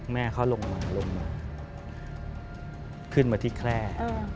แม่เขาลงมาลงมาขึ้นมาที่แคล่